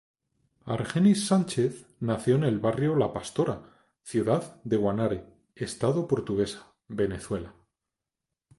Argenis Sánchez nació en el Barrio La Pastora, ciudad de Guanare, Estado Portuguesa, Venezuela.